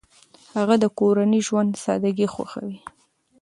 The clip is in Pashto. هغه د کورني ژوند سادګي خوښوي.